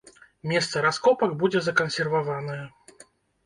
Месца раскопак будзе закансерваванае.